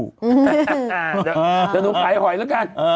เดี๋ยวหนูขายหอยแล้วกัน